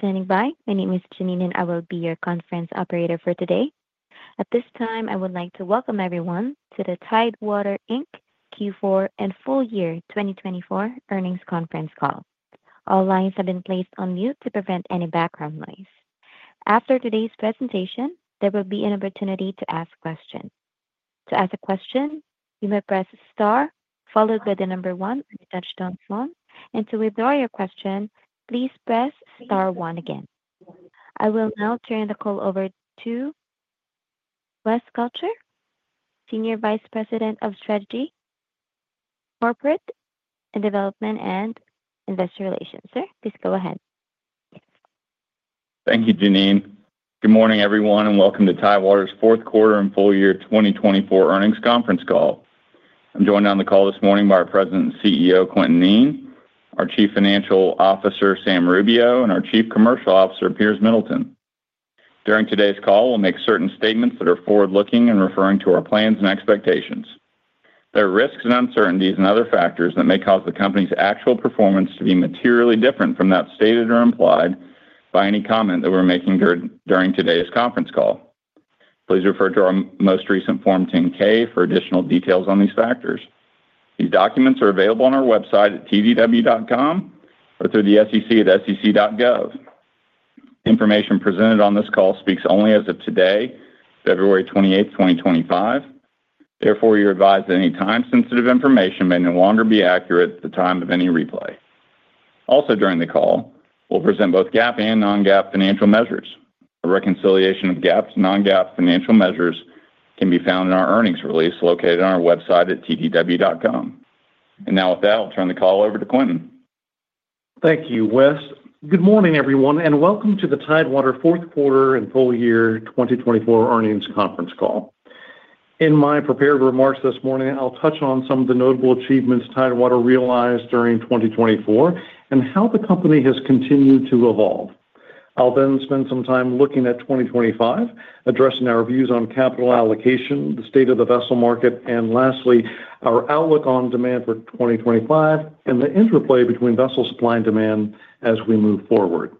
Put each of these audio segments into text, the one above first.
Thank you for standing by. My name is Janine, and I will be your conference operator for today. At this time, I would like to welcome everyone to the Tidewater Inc. Q4 and Full Year 2024 Earnings Conference Call. All lines have been placed on mute to prevent any background noise. After today's presentation, there will be an opportunity to ask questions. To ask a question, you may press star, followed by the number one on your touchtone phone. And to withdraw your question, please press star one again. I will now turn the call over to West Gotcher, Senior Vice President of strategy, corporate and development, and investor relations. Sir, please go ahead. Thank you, Janine. Good morning, everyone, and welcome to Tidewater's Fourth Quarter and Full Year 2024 Earnings Conference Call. I'm joined on the call this morning by our President and CEO, Quintin Kneen, our Chief Financial Officer, Sam Rubio, and our Chief Commercial Officer, Piers Middleton. During today's call, we'll make certain statements that are forward-looking and referring to our plans and expectations. There are risks and uncertainties and other factors that may cause the company's actual performance to be materially different from that stated or implied by any comment that we're making during today's conference call. Please refer to our most recent Form 10-K for additional details on these factors. These documents are available on our website at tdw.com or through the sec.gov. Information presented on this call speaks only as of today, February 28, 2025. Therefore, you're advised that any time-sensitive information may no longer be accurate at the time of any replay. Also, during the call, we'll present both GAAP and non-GAAP financial measures. A reconciliation of GAAP to non-GAAP financial measures can be found in our earnings release located on our website at tdw.com. And now, with that, I'll turn the call over to Quintin. Thank you, West. Good morning, everyone, and welcome to the Tidewater Fourth Quarter and Full Year 2024 Earnings Conference Call. In my prepared remarks this morning, I'll touch on some of the notable achievements Tidewater realized during 2024 and how the company has continued to evolve. I'll then spend some time looking at 2025, addressing our views on capital allocation, the state of the vessel market, and lastly, our outlook on demand for 2025 and the interplay between vessel supply and demand as we move forward.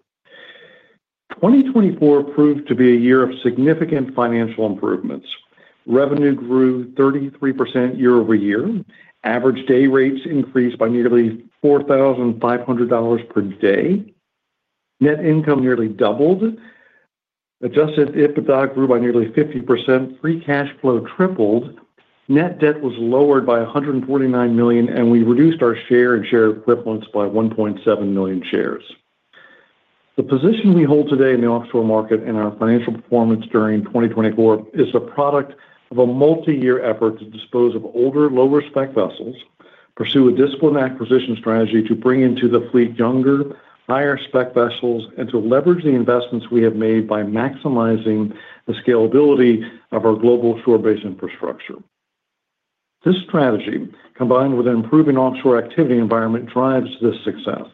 2024 proved to be a year of significant financial improvements. Revenue grew 33% year-over-year. Average day rates increased by nearly $4,500 per day. Net income nearly doubled. Adjusted EBITDA grew by nearly 50%. Free cash flow tripled. Net debt was lowered by $149 million, and we reduced our shares and share equivalents by 1.7 million shares. The position we hold today in the offshore market and our financial performance during 2024 is a product of a multi-year effort to dispose of older, lower-spec vessels, pursue a discipline acquisition strategy to bring into the fleet younger, higher-spec vessels, and to leverage the investments we have made by maximizing the scalability of our global shore-based infrastructure. This strategy, combined with an improving offshore activity environment, drives this success,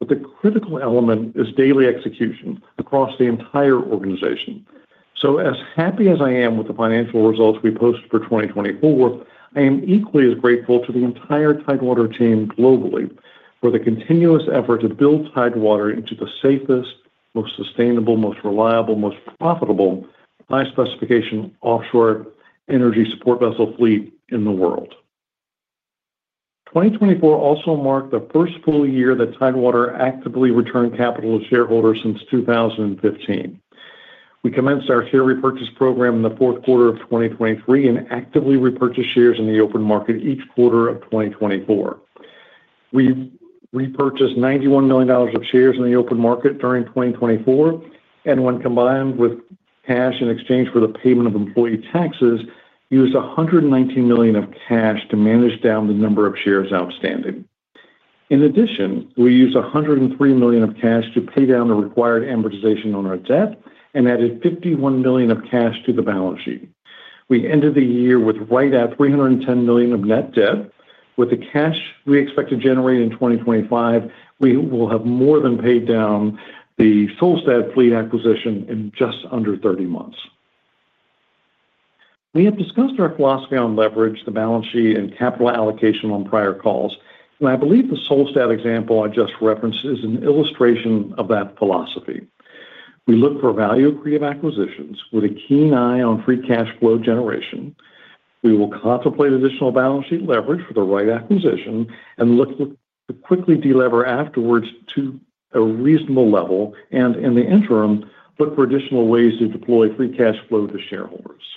but the critical element is daily execution across the entire organization, so, as happy as I am with the financial results we post for 2024, I am equally as grateful to the entire Tidewater team globally for the continuous effort to build Tidewater into the safest, most sustainable, most reliable, most profitable high-specification offshore energy support vessel fleet in the world. 2024 also marked the first full year that Tidewater actively returned capital to shareholders since 2015. We commenced our share repurchase program in the fourth quarter of 2023 and actively repurchased shares in the open market each quarter of 2024. We repurchased $91 million of shares in the open market during 2024, and when combined with cash in exchange for the payment of employee taxes, used $119 million of cash to manage down the number of shares outstanding. In addition, we used $103 million of cash to pay down the required amortization on our debt and added $51 million of cash to the balance sheet. We ended the year with right at $310 million of net debt. With the cash we expect to generate in 2025, we will have more than paid down the Solstad fleet acquisition in just under 30 months. We have discussed our philosophy on leverage, the balance sheet, and capital allocation on prior calls. And I believe the Solstad example I just referenced is an illustration of that philosophy. We look for value-creative acquisitions with a keen eye on free cash flow generation. We will contemplate additional balance sheet leverage for the right acquisition and look to quickly delever afterwards to a reasonable level. And in the interim, look for additional ways to deploy free cash flow to shareholders.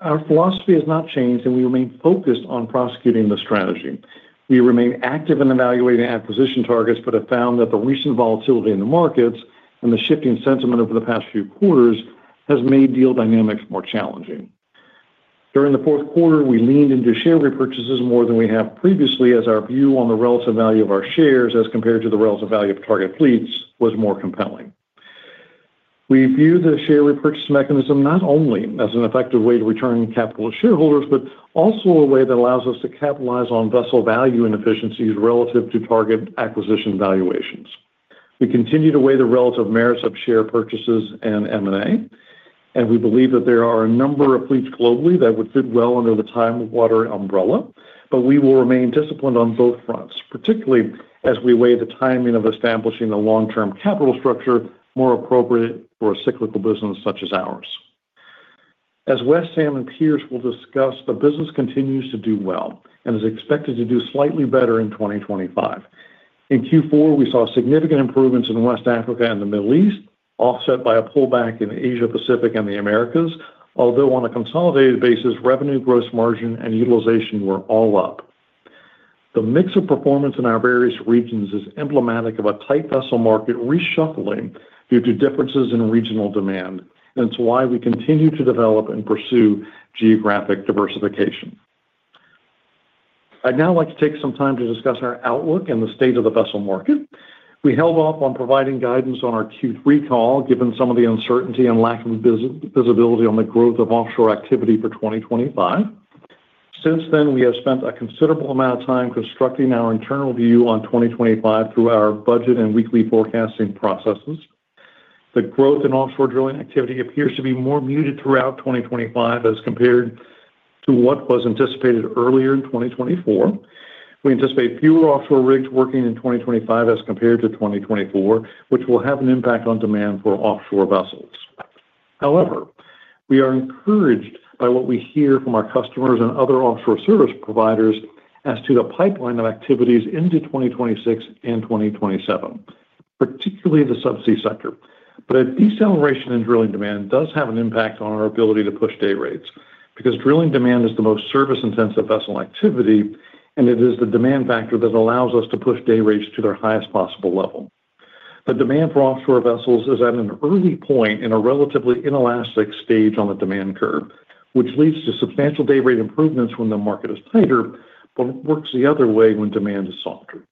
Our philosophy has not changed, and we remain focused on prosecuting the strategy. We remain active in evaluating acquisition targets but have found that the recent volatility in the markets and the shifting sentiment over the past few quarters has made deal dynamics more challenging. During the fourth quarter, we leaned into share repurchases more than we have previously as our view on the relative value of our shares as compared to the relative value of target fleets was more compelling. We view the share repurchase mechanism not only as an effective way to return capital to shareholders, but also a way that allows us to capitalize on vessel value and efficiencies relative to target acquisition valuations. We continue to weigh the relative merits of share purchases and M&A, and we believe that there are a number of fleets globally that would fit well under the Tidewater umbrella. But we will remain disciplined on both fronts, particularly as we weigh the timing of establishing a long-term capital structure more appropriate for a cyclical business such as ours. As West, Sam, and Piers will discuss, the business continues to do well and is expected to do slightly better in 2025. In Q4, we saw significant improvements in West Africa and the Middle East, offset by a pullback in Asia-Pacific and the Americas. Although on a consolidated basis, revenue, gross margin, and utilization were all up. The mix of performance in our various regions is emblematic of a tight vessel market reshuffling due to differences in regional demand, and it's why we continue to develop and pursue geographic diversification. I'd now like to take some time to discuss our outlook and the state of the vessel market. We held off on providing guidance on our Q3 call, given some of the uncertainty and lack of visibility on the growth of offshore activity for 2025. Since then, we have spent a considerable amount of time constructing our internal view on 2025 through our budget and weekly forecasting processes. The growth in offshore drilling activity appears to be more muted throughout 2025 as compared to what was anticipated earlier in 2024. We anticipate fewer offshore rigs working in 2025 as compared to 2024, which will have an impact on demand for offshore vessels. However, we are encouraged by what we hear from our customers and other offshore service providers as to the pipeline of activities into 2026 and 2027, particularly the subsea sector. But a deceleration in drilling demand does have an impact on our ability to push day rates because drilling demand is the most service-intensive vessel activity, and it is the demand factor that allows us to push day rates to their highest possible level. The demand for offshore vessels is at an early point in a relatively inelastic stage on the demand curve, which leads to substantial day rate improvements when the market is tighter, but works the other way when demand is softer.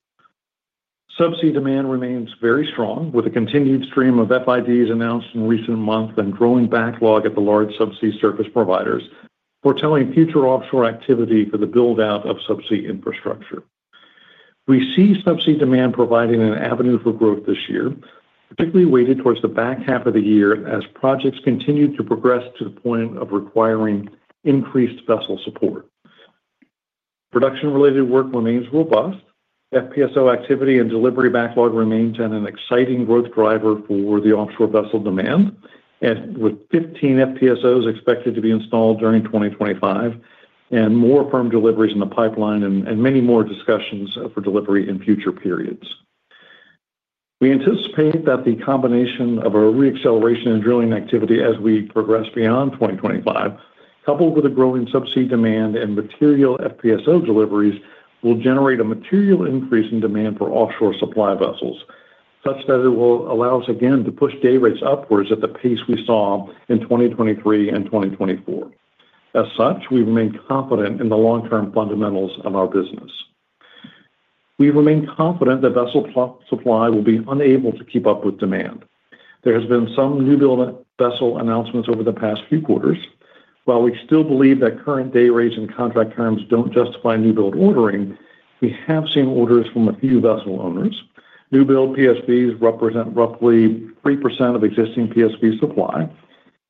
Subsea demand remains very strong with a continued stream of FIDs announced in recent months and growing backlog at the large subsea service providers foretelling future offshore activity for the buildout of subsea infrastructure. We see subsea demand providing an avenue for growth this year, particularly weighted towards the back half of the year as projects continue to progress to the point of requiring increased vessel support. Production-related work remains robust. FPSO activity and delivery backlog remains an exciting growth driver for the offshore vessel demand, with 15 FPSOs expected to be installed during 2025 and more firm deliveries in the pipeline and many more discussions for delivery in future periods. We anticipate that the combination of a re-acceleration in drilling activity as we progress beyond 2025, coupled with the growing subsea demand and material FPSO deliveries, will generate a material increase in demand for offshore supply vessels, such that it will allow us again to push day rates upwards at the pace we saw in 2023 and 2024. As such, we remain confident in the long-term fundamentals of our business. We remain confident that vessel supply will be unable to keep up with demand. There have been some new build vessel announcements over the past few quarters. While we still believe that current day rates and contract terms don't justify new build ordering, we have seen orders from a few vessel owners. New build PSVs represent roughly 3% of existing PSV supply,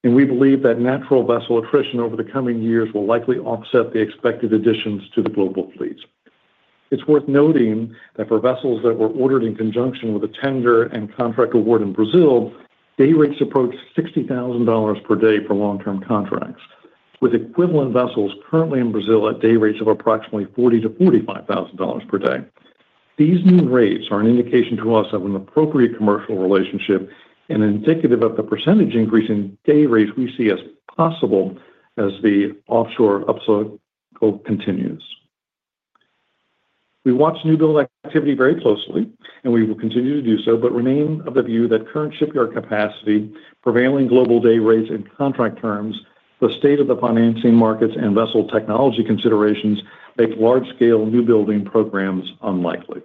and we believe that natural vessel attrition over the coming years will likely offset the expected additions to the global fleets. It's worth noting that for vessels that were ordered in conjunction with a tender and contract award in Brazil, day rates approach $60,000 per day for long-term contracts, with equivalent vessels currently in Brazil at day rates of approximately $40,000-$45,000 per day. These new rates are an indication to us of an appropriate commercial relationship and indicative of the percentage increase in day rates we see as possible as the offshore upcycle continues. We watch new build activity very closely, and we will continue to do so, but remain of the view that current shipyard capacity, prevailing global day rates, and contract terms, the state of the financing markets, and vessel technology considerations make large-scale new building programs unlikely.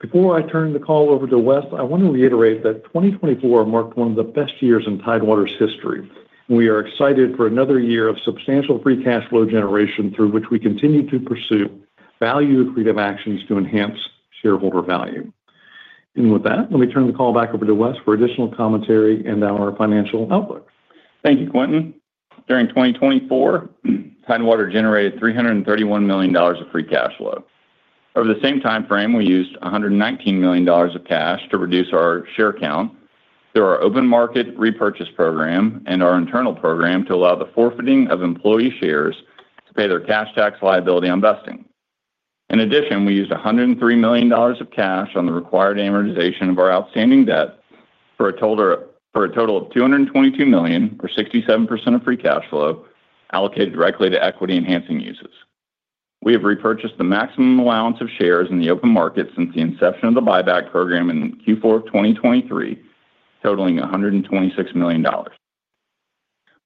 Before I turn the call over to West, I want to reiterate that 2024 marked one of the best years in Tidewater's history. We are excited for another year of substantial free cash flow generation through which we continue to pursue value-creative actions to enhance shareholder value, and with that, let me turn the call back over to West for additional commentary and our financial outlook. Thank you, Quintin. During 2024, Tidewater generated $331 million of free cash flow. Over the same timeframe, we used $119 million of cash to reduce our share count through our open market repurchase program and our internal program to allow the forfeiting of employee shares to pay their cash tax liability on vesting. In addition, we used $103 million of cash on the required amortization of our outstanding debt for a total of $222 million, or 67% of free cash flow, allocated directly to equity enhancing uses. We have repurchased the maximum allowance of shares in the open market since the inception of the buyback program in Q4 of 2023, totaling $126 million.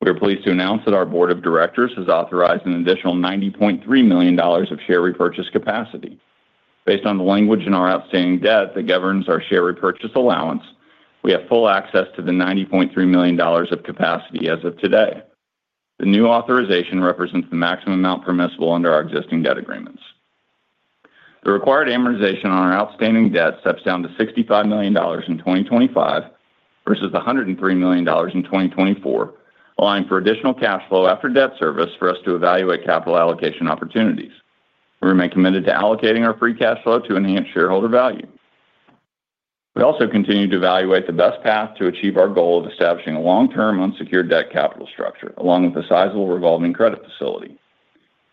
We are pleased to announce that our board of directors has authorized an additional $90.3 million of share repurchase capacity. Based on the language in our outstanding debt that governs our share repurchase allowance, we have full access to the $90.3 million of capacity as of today. The new authorization represents the maximum amount permissible under our existing debt agreements. The required amortization on our outstanding debt steps down to $65 million in 2025 versus $103 million in 2024, allowing for additional cash flow after debt service for us to evaluate capital allocation opportunities. We remain committed to allocating our free cash flow to enhance shareholder value. We also continue to evaluate the best path to achieve our goal of establishing a long-term unsecured debt capital structure, along with a sizable revolving credit facility.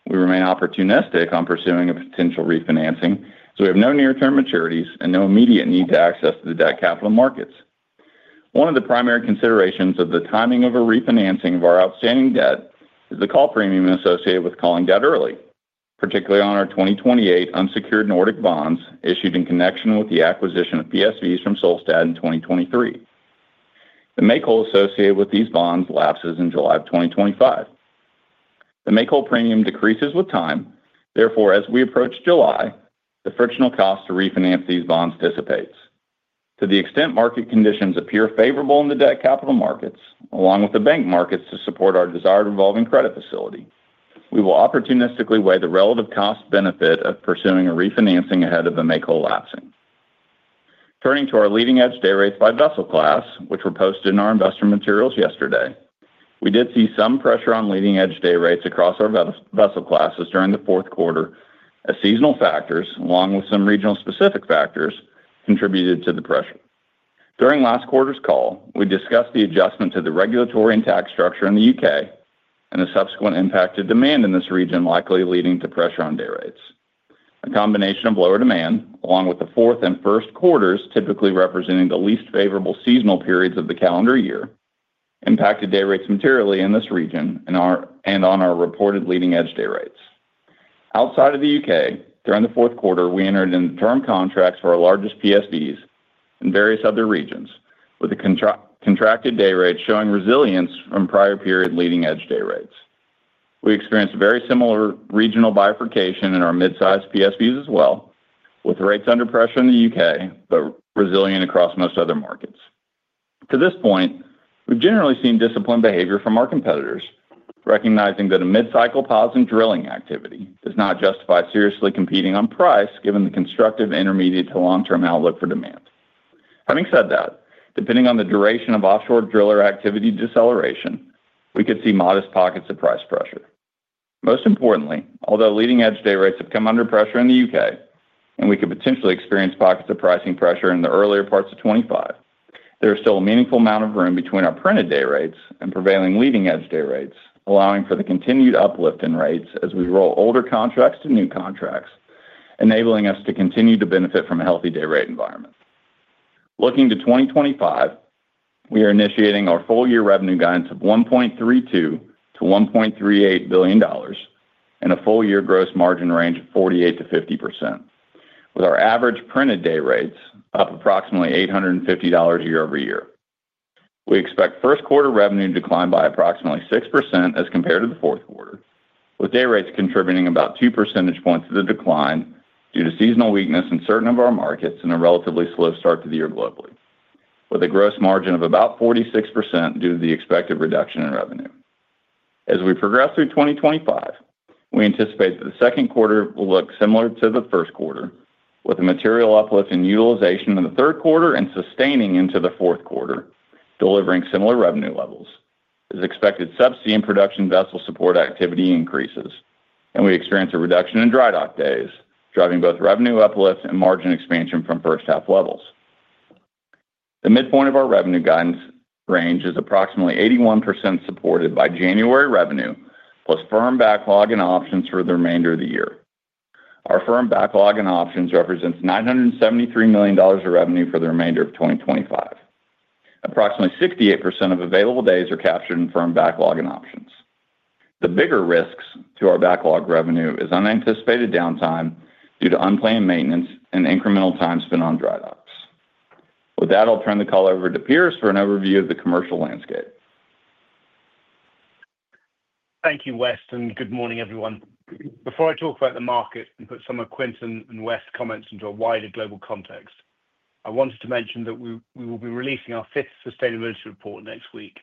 We remain opportunistic on pursuing a potential refinancing, as we have no near-term maturities and no immediate need to access the debt capital markets. One of the primary considerations of the timing of a refinancing of our outstanding debt is the call premium associated with calling debt early, particularly on our 2028 unsecured Nordic bonds issued in connection with the acquisition of PSVs from Solstad in 2023. The make-whole associated with these bonds lapses in July of 2025. The make-whole premium decreases with time. Therefore, as we approach July, the frictional cost to refinance these bonds dissipates. To the extent market conditions appear favorable in the debt capital markets, along with the bank markets to support our desired revolving credit facility, we will opportunistically weigh the relative cost-benefit of pursuing a refinancing ahead of the make-whole lapsing. Turning to our leading-edge day rates by vessel class, which were posted in our investor materials yesterday, we did see some pressure on leading-edge day rates across our vessel classes during the fourth quarter, as seasonal factors, along with some regional-specific factors, contributed to the pressure. During last quarter's call, we discussed the adjustment to the regulatory and tax structure in the U.K. and the subsequent impact to demand in this region, likely leading to pressure on day rates. A combination of lower demand, along with the fourth and first quarters typically representing the least favorable seasonal periods of the calendar year, impacted day rates materially in this region and on our reported leading-edge day rates. Outside of the U.K., during the fourth quarter, we entered into term contracts for our largest PSVs in various other regions, with the contracted day rates showing resilience from prior period leading-edge day rates. We experienced very similar regional bifurcation in our mid-sized PSVs as well, with rates under pressure in the U.K. but resilient across most other markets. To this point, we've generally seen disciplined behavior from our competitors, recognizing that a mid-cycle pause in drilling activity does not justify seriously competing on price given the constructive intermediate to long-term outlook for demand. Having said that, depending on the duration of offshore driller activity deceleration, we could see modest pockets of price pressure. Most importantly, although leading-edge day rates have come under pressure in the U.K. and we could potentially experience pockets of pricing pressure in the earlier parts of 2025, there is still a meaningful amount of room between our printed day rates and prevailing leading-edge day rates, allowing for the continued uplift in rates as we roll older contracts to new contracts, enabling us to continue to benefit from a healthy day rate environment. Looking to 2025, we are initiating our full-year revenue guidance of $1.32-$1.38 billion and a full-year gross margin range of 48%-50%, with our average printed day rates up approximately $850 year over year. We expect first quarter revenue to decline by approximately 6% as compared to the fourth quarter, with day rates contributing about 2 percentage points to the decline due to seasonal weakness in certain of our markets and a relatively slow start to the year globally, with a gross margin of about 46% due to the expected reduction in revenue. As we progress through 2025, we anticipate that the second quarter will look similar to the first quarter, with a material uplift in utilization in the third quarter and sustaining into the fourth quarter, delivering similar revenue levels. As expected, subsea and production vessel support activity increases, and we experience a reduction in dry dock days, driving both revenue uplift and margin expansion from first-half levels. The midpoint of our revenue guidance range is approximately 81% supported by January revenue, plus firm backlog and options for the remainder of the year. Our firm backlog and options represents $973 million of revenue for the remainder of 2025. Approximately 68% of available days are captured in firm backlog and options. The bigger risk to our backlog revenue is unanticipated downtime due to unplanned maintenance and incremental time spent on dry docks. With that, I'll turn the call over to Piers for an overview of the commercial landscape. Thank you, West, and good morning, everyone. Before I talk about the market and put some of Quintin and West's comments into a wider global context, I wanted to mention that we will be releasing our fifth sustainability report next week.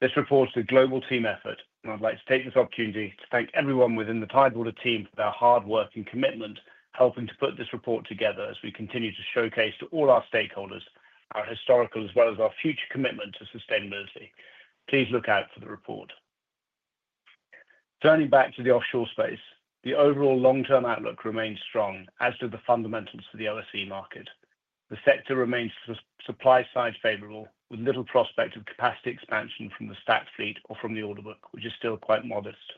This report is a global team effort, and I'd like to take this opportunity to thank everyone within the Tidewater team for their hard work and commitment, helping to put this report together as we continue to showcase to all our stakeholders our historical as well as our future commitment to sustainability. Please look out for the report. Turning back to the offshore space, the overall long-term outlook remains strong, as do the fundamentals for the OSV market. The sector remains supply-side favorable, with little prospect of capacity expansion from the stat fleet or from the order book, which is still quite modest.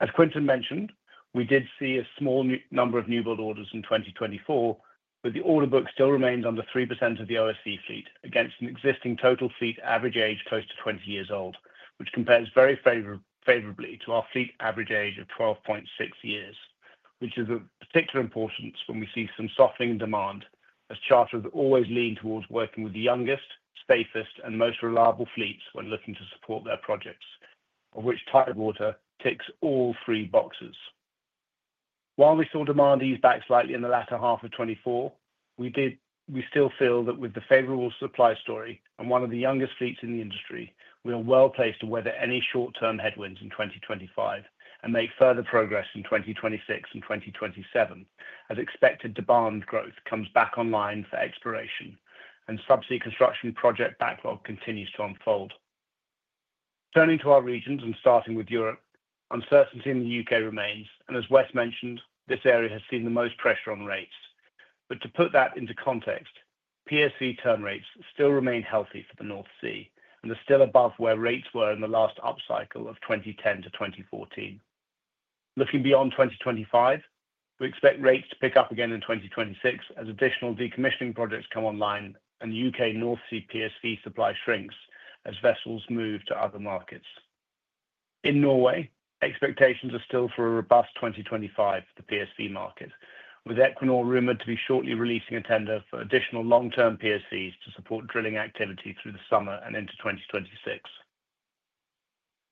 As Quintin mentioned, we did see a small number of new build orders in 2024, but the order book still remains under 3% of the OSV fleet against an existing total fleet average age close to 20 years old, which compares very favorably to our fleet average age of 12.6 years. Which is of particular importance when we see some softening in demand, as charters always lean towards working with the youngest, safest, and most reliable fleets when looking to support their projects, of which Tidewater ticks all three boxes. While we saw demand ease back slightly in the latter half of 2024, we still feel that with the favorable supply story and one of the youngest fleets in the industry, we are well placed to weather any short-term headwinds in 2025 and make further progress in 2026 and 2027, as expected demand growth comes back online for exploration and subsea construction project backlog continues to unfold. Turning to our regions and starting with Europe, uncertainty in the UK remains, and as West mentioned, this area has seen the most pressure on rates, but to put that into context, PSV term rates still remain healthy for the North Sea and are still above where rates were in the last upcycle of 2010 to 2014. Looking beyond 2025, we expect rates to pick up again in 2026 as additional decommissioning projects come online and UK North Sea PSV supply shrinks as vessels move to other markets. In Norway, expectations are still for a robust 2025 for the PSV market, with Equinor rumored to be shortly releasing a tender for additional long-term PSVs to support drilling activity through the summer and into 2026.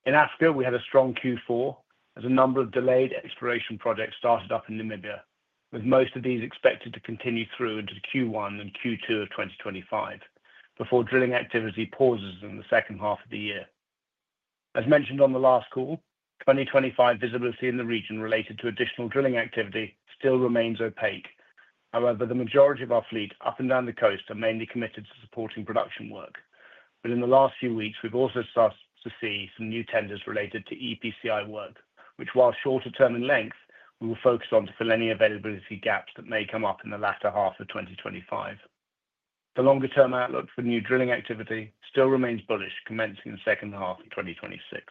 In Africa, we had a strong Q4, as a number of delayed exploration projects started up in Namibia, with most of these expected to continue through into Q1 and Q2 of 2025 before drilling activity pauses in the second half of the year. As mentioned on the last call, 2025 visibility in the region related to additional drilling activity still remains opaque. However, the majority of our fleet up and down the coast are mainly committed to supporting production work. But in the last few weeks, we've also started to see some new tenders related to EPCI work, which, while shorter term in length, we will focus on to fill any availability gaps that may come up in the latter half of 2025. The longer-term outlook for new drilling activity still remains bullish, commencing in the second half of 2026.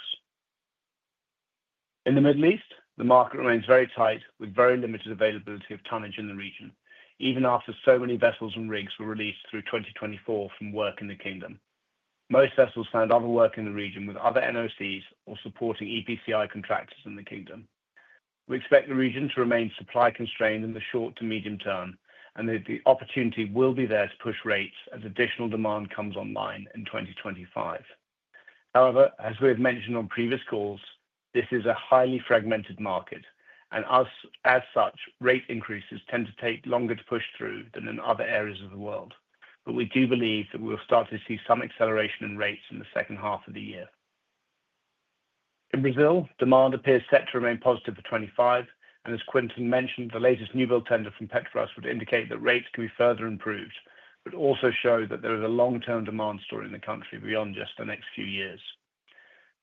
In the Middle East, the market remains very tight, with very limited availability of tonnage in the region, even after so many vessels and rigs were released through 2024 from work in the kingdom. Most vessels found other work in the region with other NOCs or supporting EPCI contractors in the kingdom. We expect the region to remain supply-constrained in the short to medium term, and the opportunity will be there to push rates as additional demand comes online in 2025. However, as we have mentioned on previous calls, this is a highly fragmented market, and as such, rate increases tend to take longer to push through than in other areas of the world. But we do believe that we will start to see some acceleration in rates in the second half of the year. In Brazil, demand appears set to remain positive for 2025, and as Quintin mentioned, the latest new build tender from Petrobras would indicate that rates can be further improved, but also show that there is a long-term demand story in the country beyond just the next few years.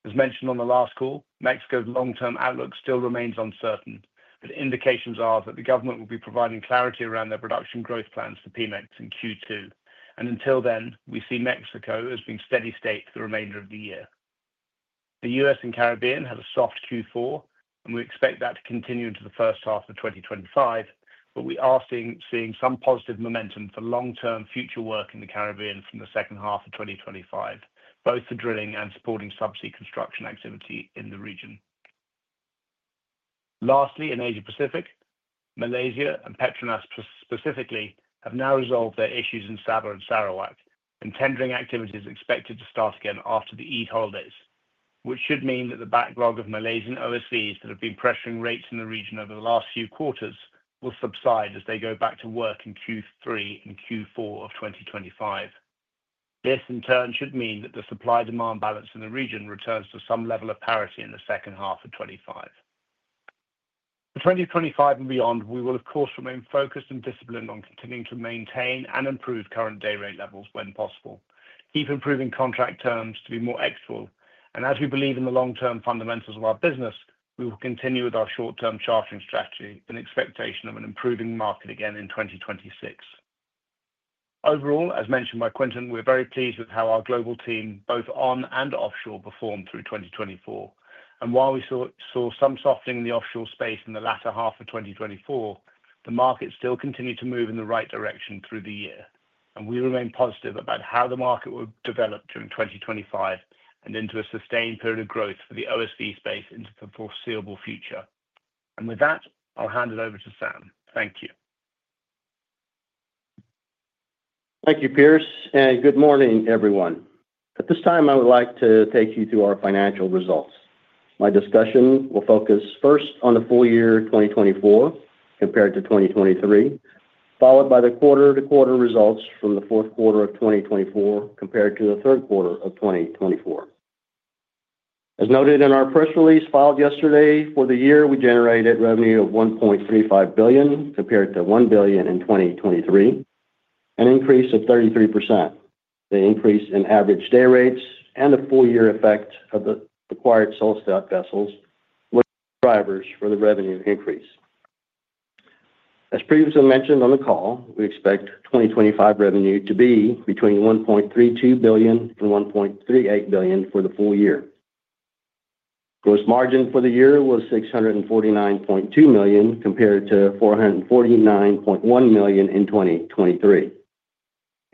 As mentioned on the last call, Mexico's long-term outlook still remains uncertain, but indications are that the government will be providing clarity around their production growth plans for Pemex in Q2. And until then, we see Mexico as being steady state for the remainder of the year. The U.S. and Caribbean had a soft Q4, and we expect that to continue into the first half of 2025, but we are seeing some positive momentum for long-term future work in the Caribbean from the second half of 2025, both for drilling and supporting subsea construction activity in the region. Lastly, in Asia-Pacific, Malaysia and PETRONAS specifically have now resolved their issues in Sabah and Sarawak, and tendering activity is expected to start again after the Eid holidays, which should mean that the backlog of Malaysian OSVs that have been pressuring rates in the region over the last few quarters will subside as they go back to work in Q3 and Q4 of 2025. This, in turn, should mean that the supply-demand balance in the region returns to some level of parity in the second half of 2025. For 2025 and beyond, we will, of course, remain focused and disciplined on continuing to maintain and improve current day rate levels when possible, keep improving contract terms to be more equitable, and as we believe in the long-term fundamentals of our business, we will continue with our short-term chartering strategy in expectation of an improving market again in 2026. Overall, as mentioned by Quintin, we are very pleased with how our global team, both onshore and offshore, performed through 2024, and while we saw some softening in the offshore space in the latter half of 2024, the market still continued to move in the right direction through the year, and we remain positive about how the market will develop during 2025 and into a sustained period of growth for the OSV space into the foreseeable future, and with that, I'll hand it over to Sam. Thank you. Thank you, Piers. Good morning, everyone. At this time, I would like to take you through our financial results. My discussion will focus first on the full year 2024 compared to 2023, followed by the quarter-to-quarter results from the fourth quarter of 2024 compared to the third quarter of 2024. As noted in our press release filed yesterday, for the year, we generated revenue of $1.35 billion compared to $1 billion in 2023, an increase of 33%. The increase in average day rates and the full-year effect of the acquired Solstad vessels were drivers for the revenue increase. As previously mentioned on the call, we expect 2025 revenue to be between $1.32 billion and $1.38 billion for the full year. Gross margin for the year was $649.2 million compared to $449.1 million in 2023.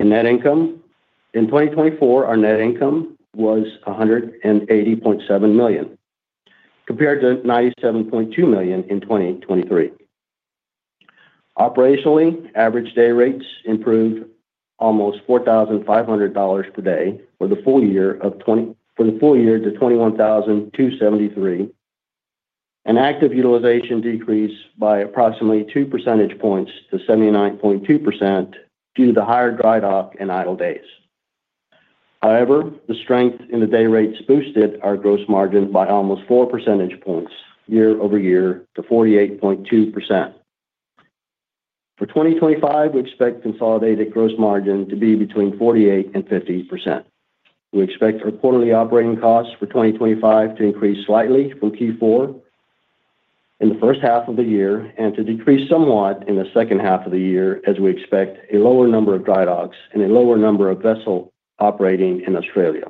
In net income, in 2024, our net income was $180.7 million compared to $97.2 million in 2023. Operationally, average day rates improved almost $4,500 per day for the full year to $21,273, an active utilization decrease by approximately 2 percentage points to 79.2% due to the higher dry dock and idle days. However, the strength in the day rates boosted our gross margin by almost 4 percentage points year over year to 48.2%. For 2025, we expect consolidated gross margin to be between 48% and 50%. We expect our quarterly operating costs for 2025 to increase slightly from Q4 in the first half of the year and to decrease somewhat in the second half of the year as we expect a lower number of dry docks and a lower number of vessels operating in Australia.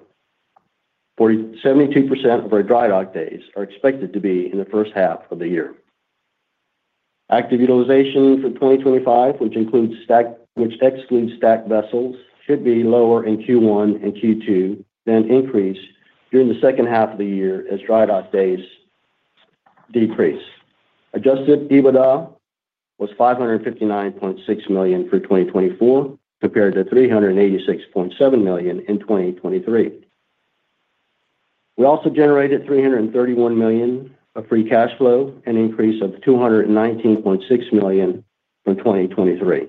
72% of our dry dock days are expected to be in the first half of the year. Active utilization for 2025, which excludes STAC vessels, should be lower in Q1 and Q2 than increase during the second half of the year as dry dock days decrease. Adjusted EBITDA was $559.6 million for 2024 compared to $386.7 million in 2023. We also generated $331 million of free cash flow, an increase of $219.6 million from 2023.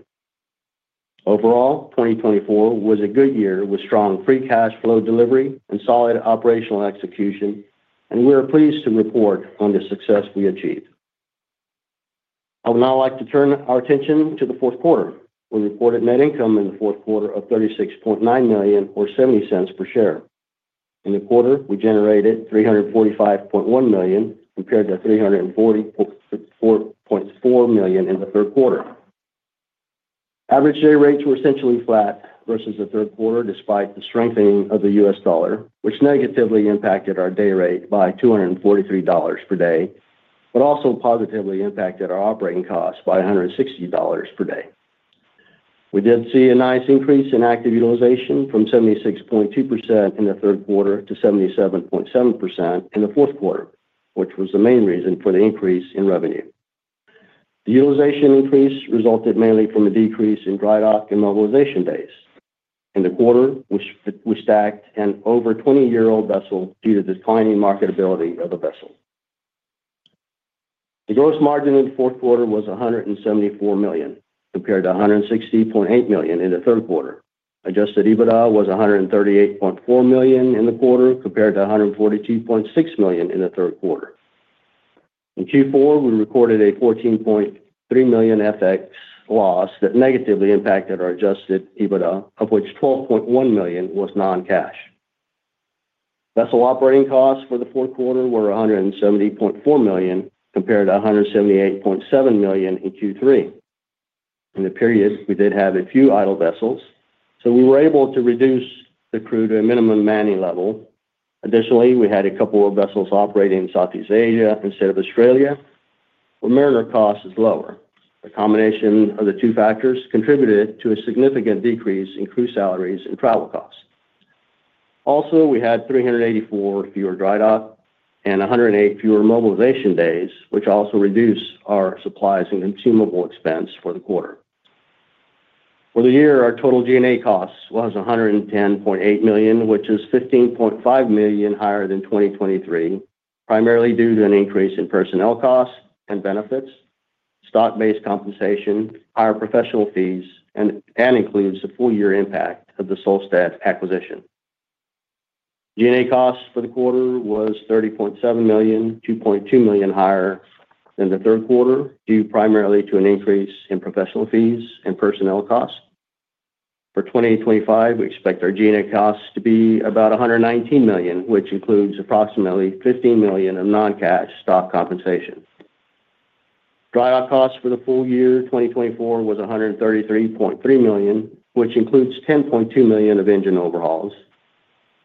Overall, 2024 was a good year with strong free cash flow delivery and solid operational execution, and we are pleased to report on the success we achieved. I would now like to turn our attention to the fourth quarter. We reported net income in the fourth quarter of $36.9 million or $0.70 per share. In the quarter, we generated $345.1 million compared to $344.4 million in the third quarter. Average day rates were essentially flat versus the third quarter despite the strengthening of the U.S. dollar, which negatively impacted our day rate by $243 per day, but also positively impacted our operating costs by $160 per day. We did see a nice increase in active utilization from 76.2% in the third quarter to 77.7% in the fourth quarter, which was the main reason for the increase in revenue. The utilization increase resulted mainly from a decrease in dry dock and mobilization days in the quarter, which stacked an over 20-year-old vessel due to the declining marketability of the vessel. The gross margin in the fourth quarter was $174 million compared to $160.8 million in the third quarter. Adjusted EBITDA was $138.4 million in the quarter compared to $142.6 million in the third quarter. In Q4, we recorded a $14.3 million FX loss that negatively impacted our Adjusted EBITDA, of which $12.1 million was non-cash. Vessel operating costs for the fourth quarter were $170.4 million compared to $178.7 million in Q3. In the period, we did have a few idle vessels, so we were able to reduce the crew to a minimum manning level. Additionally, we had a couple of vessels operating in Southeast Asia instead of Australia, where mariner costs are lower. The combination of the two factors contributed to a significant decrease in crew salaries and travel costs. Also, we had 384 fewer dry dock days and 108 fewer mobilization days, which also reduced our supplies and consumables expense for the quarter. For the year, our total G&A costs was $110.8 million, which is $15.5 million higher than 2023, primarily due to an increase in personnel costs and benefits, stock-based compensation, higher professional fees, and includes the full-year impact of the Solstad acquisition. G&A costs for the quarter was $30.7 million, $2.2 million higher than the third quarter due primarily to an increase in professional fees and personnel costs. For 2025, we expect our G&A costs to be about $119 million, which includes approximately $15 million of non-cash stock compensation. Dry dock costs for the full year 2024 was $133.3 million, which includes $10.2 million of engine overhauls.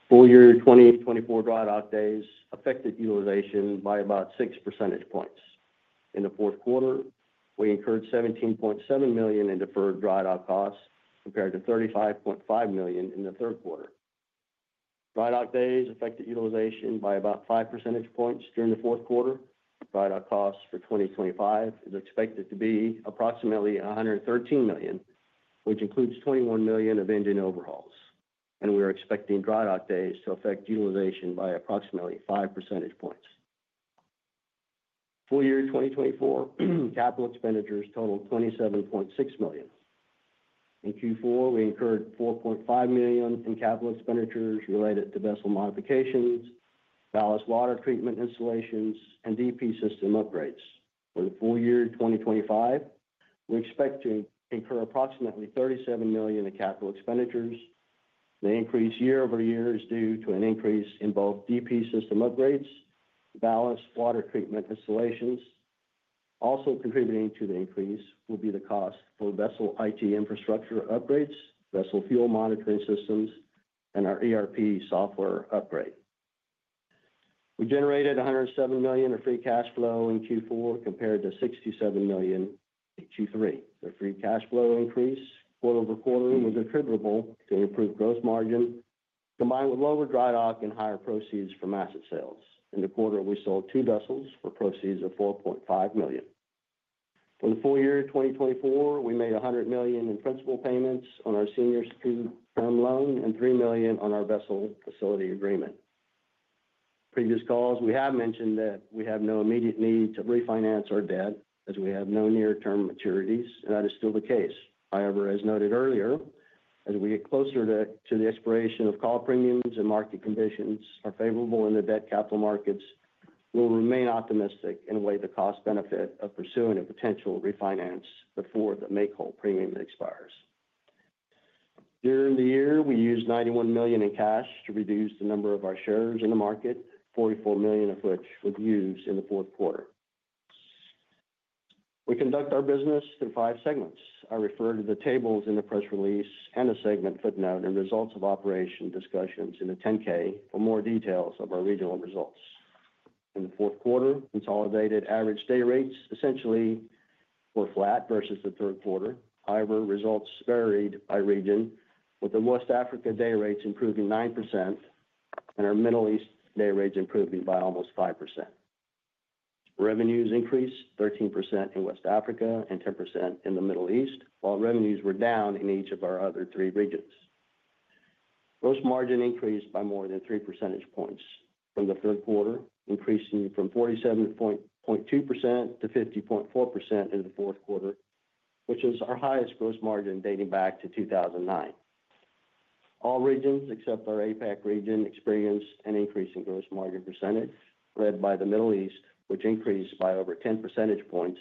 Full year 2024 dry dock days affected utilization by about 6 percentage points. In the fourth quarter, we incurred $17.7 million in deferred dry dock costs compared to $35.5 million in the third quarter. Dry dock days affected utilization by about 5 percentage points during the fourth quarter. Dry dock costs for 2025 are expected to be approximately $113 million, which includes $21 million of engine overhauls, and we are expecting dry dock days to affect utilization by approximately 5 percentage points. Full year 2024 capital expenditures totaled $27.6 million. In Q4, we incurred $4.5 million in capital expenditures related to vessel modifications, ballast water treatment installations, and DP system upgrades. For the full year 2025, we expect to incur approximately $37 million in capital expenditures. The increase year over year is due to an increase in both DP system upgrades, ballast water treatment installations. Also contributing to the increase will be the cost for vessel IT infrastructure upgrades, vessel fuel monitoring systems, and our ERP software upgrade. We generated $107 million of free cash flow in Q4 compared to $67 million in Q3. The free cash flow increase quarter over quarter was attributable to improved gross margin, combined with lower dry dock and higher proceeds from asset sales. In the quarter, we sold two vessels for proceeds of $4.5 million. For the full year 2024, we made $100 million in principal payments on our senior secured term loan and $3 million on our vessel facility agreement. In previous calls, we have mentioned that we have no immediate need to refinance our debt as we have no near-term maturities, and that is still the case. However, as noted earlier, as we get closer to the expiration of call premiums and market conditions are favorable in the debt capital markets, we will remain optimistic and weigh the cost-benefit of pursuing a potential refinance before the make-whole premium expires. During the year, we used $91 million in cash to reduce the number of our shares in the market, $44 million of which was used in the fourth quarter. We conduct our business through five segments. I refer to the tables in the press release and a segment footnote and results of operation discussions in the 10-K for more details of our regional results. In the fourth quarter, consolidated average day rates essentially were flat versus the third quarter. However, results varied by region, with the West Africa day rates improving 9% and our Middle East day rates improving by almost 5%. Revenues increased 13% in West Africa and 10% in the Middle East, while revenues were down in each of our other three regions. Gross margin increased by more than 3 percentage points from the third quarter, increasing from 47.2% to 50.4% in the fourth quarter, which is our highest gross margin dating back to 2009. All regions except our APAC region experienced an increase in gross margin percentage led by the Middle East, which increased by over 10 percentage points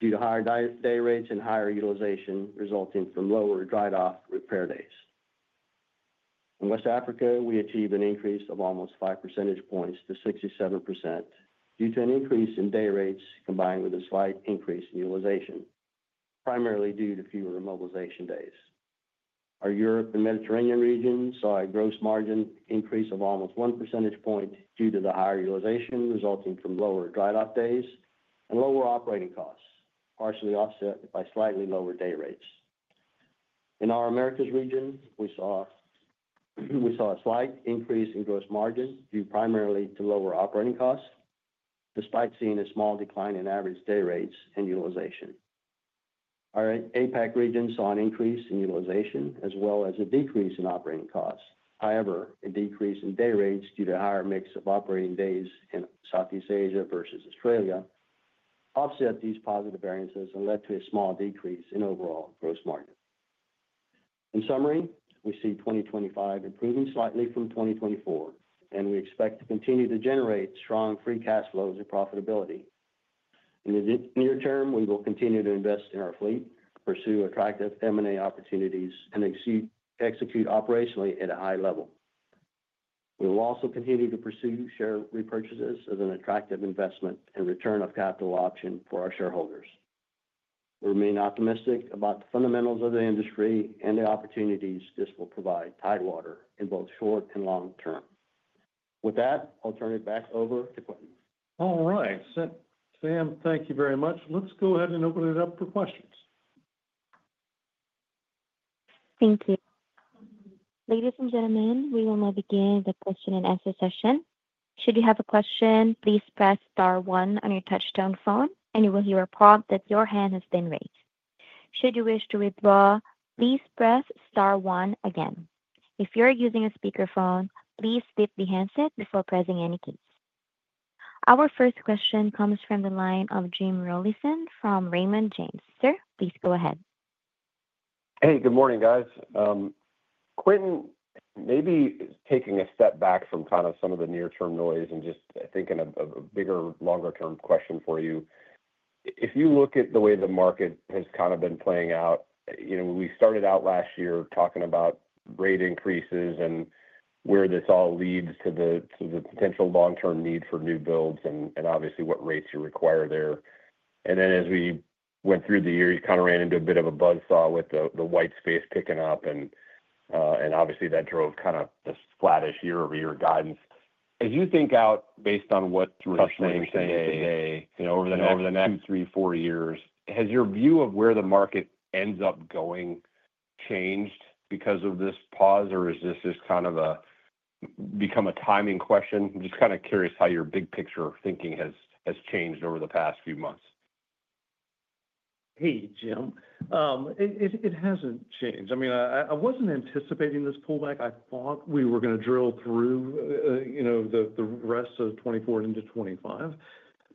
due to higher day rates and higher utilization resulting from lower dry dock repair days. In West Africa, we achieved an increase of almost 5 percentage points to 67% due to an increase in day rates combined with a slight increase in utilization, primarily due to fewer mobilization days. Our Europe and Mediterranean region saw a gross margin increase of almost 1 percentage point due to the higher utilization resulting from lower dry dock days and lower operating costs, partially offset by slightly lower day rates. In our Americas region, we saw a slight increase in gross margin due primarily to lower operating costs, despite seeing a small decline in average day rates and utilization. Our APAC region saw an increase in utilization as well as a decrease in operating costs. However, a decrease in day rates due to a higher mix of operating days in Southeast Asia versus Australia offset these positive variances and led to a small decrease in overall gross margin. In summary, we see 2025 improving slightly from 2024, and we expect to continue to generate strong free cash flows and profitability. In the near term, we will continue to invest in our fleet, pursue attractive M&A opportunities, and execute operationally at a high level. We will also continue to pursue share repurchases as an attractive investment and return of capital option for our shareholders. We remain optimistic about the fundamentals of the industry and the opportunities this will provide Tidewater in both short and long term. With that, I'll turn it back over to Quintin. All right. Sam, thank you very much. Let's go ahead and open it up for questions. Thank you. Ladies and gentlemen, we will now begin the question and answer session. Should you have a question, please press star 1 on your touch-tone phone, and you will hear a prompt that your hand has been raised. Should you wish to withdraw, please press star 1 again. If you are using a speakerphone, please tip the handset before pressing any keys. Our first question comes from the line of Jim Rollyson from Raymond James. Sir, please go ahead. Hey, good morning, guys. Quintin, maybe taking a step back from kind of some of the near-term noise and just thinking of a bigger, longer-term question for you. If you look at the way the market has kind of been playing out, we started out last year talking about rate increases and where this all leads to the potential long-term need for new builds and obviously what rates you require there, and then as we went through the year, you kind of ran into a bit of a buzz saw with the white space picking up, and obviously that drove kind of this flattish year-over-year guidance. As you think out based on what West is saying today, over the next two, three, four years, has your view of where the market ends up going changed because of this pause, or is this just kind of become a timing question? I'm just kind of curious how your big picture thinking has changed over the past few months. Hey, Jim. It hasn't changed. I mean, I wasn't anticipating this pullback. I thought we were going to drill through the rest of 2024 into 2025.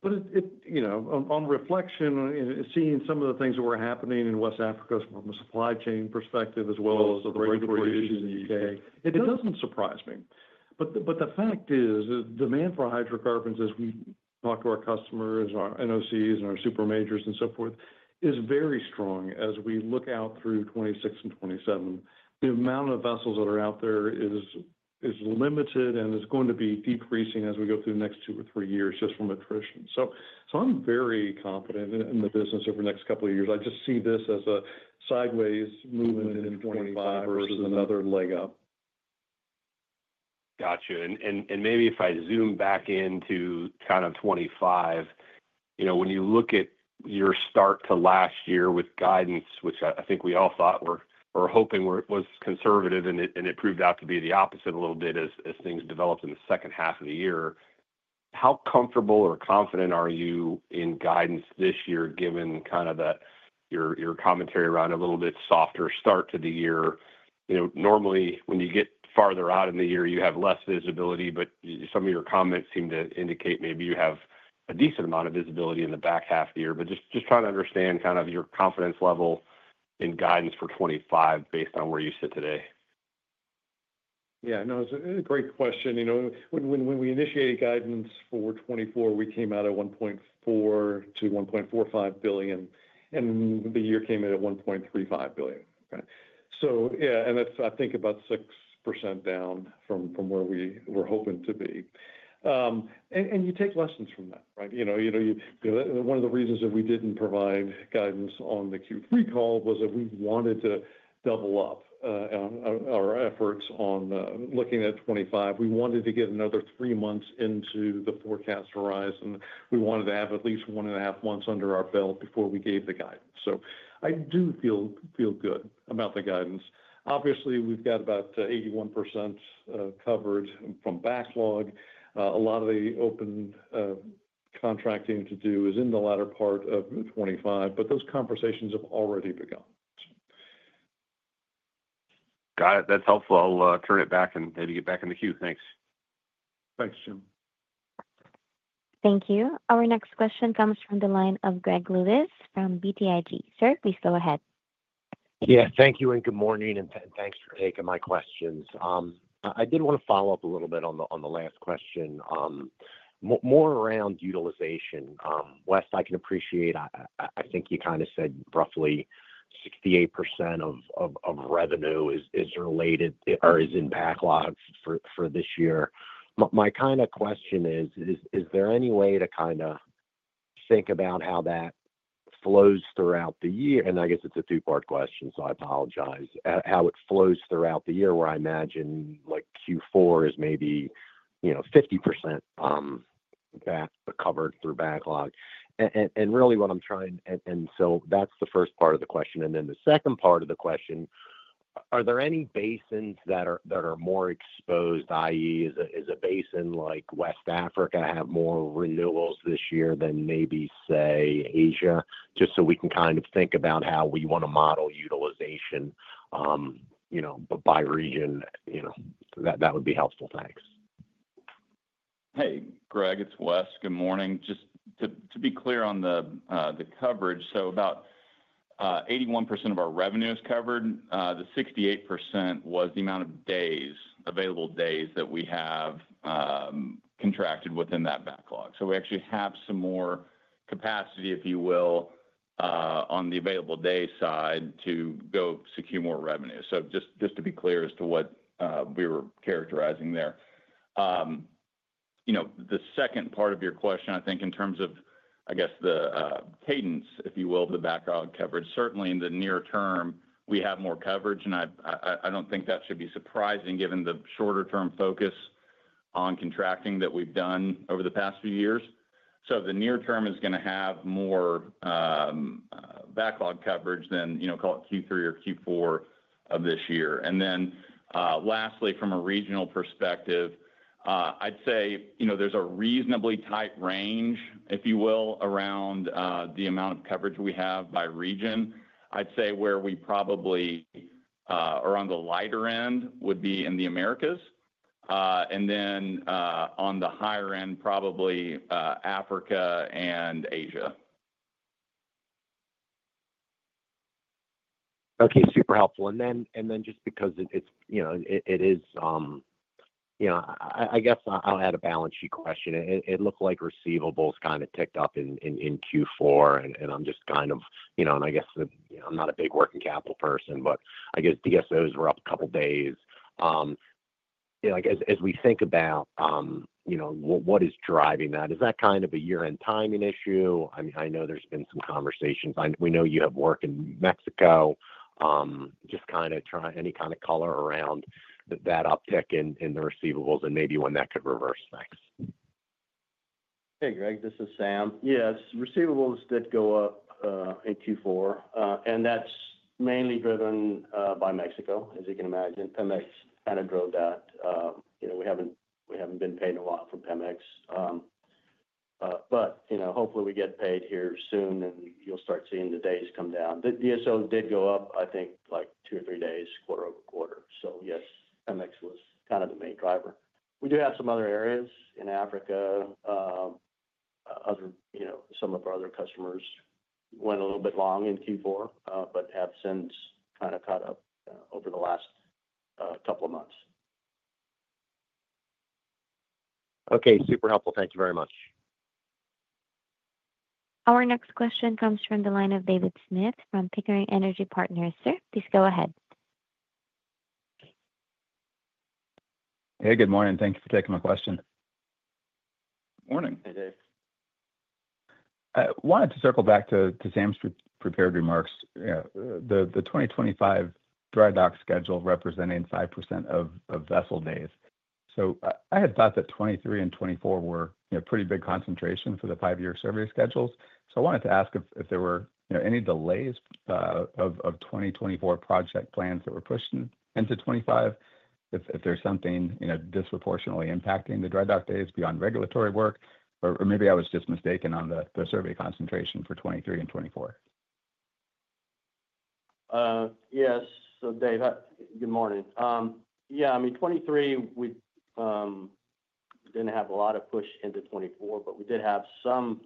But on reflection, seeing some of the things that were happening in West Africa from a supply chain perspective as well as the regulatory issues in the U.K., it doesn't surprise me. But the fact is, demand for hydrocarbons, as we talk to our customers, our NOCs, and our super majors and so forth, is very strong as we look out through 2026 and 2027. The amount of vessels that are out there is limited and is going to be decreasing as we go through the next two or three years just from attrition. So I'm very confident in the business over the next couple of years. I just see this as a sideways movement in 2025 versus another leg up. Gotcha. And maybe if I zoom back into kind of 2025, when you look at your start to last year with guidance, which I think we all thought or were hoping was conservative, and it proved out to be the opposite a little bit as things developed in the second half of the year, how comfortable or confident are you in guidance this year given kind of your commentary around a little bit softer start to the year? Normally, when you get farther out in the year, you have less visibility, but some of your comments seem to indicate maybe you have a decent amount of visibility in the back half of the year. But just trying to understand kind of your confidence level in guidance for 2025 based on where you sit today. Yeah. No, it's a great question. When we initiated guidance for 2024, we came out at $1.4-$1.45 billion, and the year came in at $1.35 billion. Okay, so yeah, and that's, I think, about 6% down from where we were hoping to be, and you take lessons from that, right? One of the reasons that we didn't provide guidance on the Q3 call was that we wanted to double up our efforts on looking at 2025. We wanted to get another three months into the forecast horizon. We wanted to have at least one and a half months under our belt before we gave the guidance, so I do feel good about the guidance. Obviously, we've got about 81% covered from backlog. A lot of the open contracting to do is in the latter part of 2025, but those conversations have already begun. Got it. That's helpful. I'll turn it back and maybe get back in the queue. Thanks. Thanks, Jim. Thank you. Our next question comes from the line of Greg Lewis from BTIG. Sir, please go ahead. Yeah. Thank you and good morning, and thanks for taking my questions. I did want to follow up a little bit on the last question, more around utilization. West, I can appreciate. I think you kind of said roughly 68% of revenue is related or is in backlog for this year. My kind of question is, is there any way to kind of think about how that flows throughout the year? And I guess it's a two-part question, so I apologize. How it flows throughout the year where I imagine Q4 is maybe 50% covered through backlog. And really what I'm trying, and so that's the first part of the question. And then the second part of the question, are there any basins that are more exposed, i.e., is a basin like West Africa have more renewals this year than maybe, say, Asia? Just so we can kind of think about how we want to model utilization by region. That would be helpful. Thanks. Hey, Greg, it's West. Good morning. Just to be clear on the coverage, so about 81% of our revenue is covered. The 68% was the amount of days, available days that we have contracted within that backlog. So we actually have some more capacity, if you will, on the available day side to go secure more revenue. So just to be clear as to what we were characterizing there. The second part of your question, I think in terms of, I guess, the cadence, if you will, of the backlog coverage, certainly in the near term, we have more coverage, and I don't think that should be surprising given the shorter-term focus on contracting that we've done over the past few years. So the near term is going to have more backlog coverage than, call it Q3 or Q4 of this year. And then lastly, from a regional perspective, I'd say there's a reasonably tight range, if you will, around the amount of coverage we have by region. I'd say where we probably are on the lighter end would be in the Americas. And then on the higher end, probably Africa and Asia. Okay. Super helpful. And then just because it is, I guess I'll add a balance sheet question. It looked like receivables kind of ticked up in Q4, and I'm just kind of, and I guess I'm not a big working capital person, but I guess DSOs were up a couple of days. As we think about what is driving that, is that kind of a year-end timing issue? I mean, I know there's been some conversations. We know you have work in Mexico. Just kind of try any kind of color around that uptick in the receivables and maybe when that could reverse. Thanks. Hey, Greg. This is Sam. Yes. Receivables did go up in Q4, and that's mainly driven by Mexico, as you can imagine. Pemex kind of drove that. We haven't been paid a lot from Pemex. But hopefully we get paid here soon, and you'll start seeing the days come down. The DSO did go up, I think, like two or three days, quarter over quarter. So yes, Pemex was kind of the main driver. We do have some other areas in Africa. Some of our other customers went a little bit long in Q4, but have since kind of caught up over the last couple of months. Okay. Super helpful. Thank you very much. Our next question comes from the line of David Smith from Pickering Energy Partners. Sir, please go ahead. Hey, good morning. Thank you for taking my question. Morning. Hey, Dave. I wanted to circle back to Sam's prepared remarks. The 2025 dry dock schedule representing 5% of vessel days. So I had thought that 2023 and 2024 were a pretty big concentration for the five-year survey schedules. So I wanted to ask if there were any delays of 2024 project plans that were pushed into 2025, if there's something disproportionately impacting the dry dock days beyond regulatory work, or maybe I was just mistaken on the survey concentration for 2023 and 2024. Yes. So Dave, good morning. Yeah. I mean, 2023, we didn't have a lot of push into 2024, but we did have some,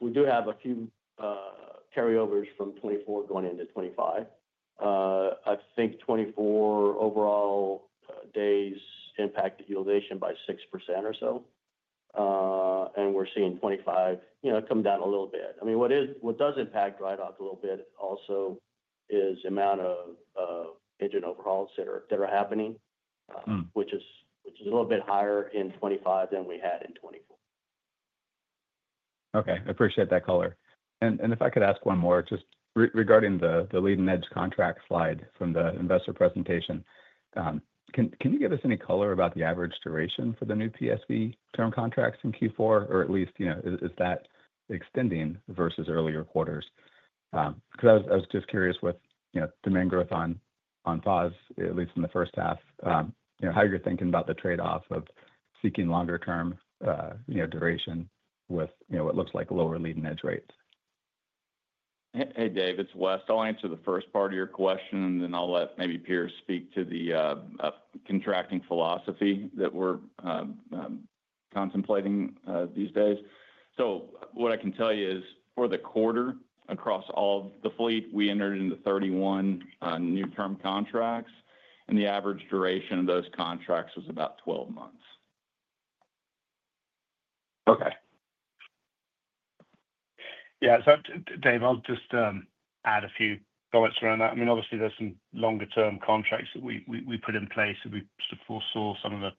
we do have a few carryovers from 2024 going into 2025. I think 2024 overall days impacted utilization by 6% or so. And we're seeing 2025 come down a little bit. I mean, what does impact dry dock a little bit also is the amount of engine overhauls that are happening, which is a little bit higher in 2025 than we had in 2024. Okay. I appreciate that color. And if I could ask one more, just regarding the leading-edge contract slide from the investor presentation, can you give us any color about the average duration for the new PSV term contracts in Q4, or at least is that extending versus earlier quarters? Because I was just curious with demand growth on PAS, at least in the first half, how you're thinking about the trade-off of seeking longer-term duration with what looks like lower leading-edge rates. Hey, Dave. It's West. I'll answer the first part of your question, and then I'll let maybe Piers speak to the contracting philosophy that we're contemplating these days. So what I can tell you is for the quarter, across all of the fleet, we entered into 31 new-term contracts, and the average duration of those contracts was about 12 months. Okay. Yeah. So Dave, I'll just add a few thoughts around that. I mean, obviously, there's some longer-term contracts that we put in place, and we sort of foresaw some of the